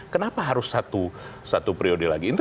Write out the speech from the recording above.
kenapa harus satu priode lagi